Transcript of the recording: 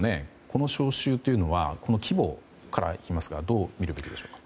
この招集は規模から聞きますがどう見るべきでしょうか。